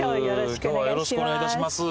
今日はよろしくお願いいたします。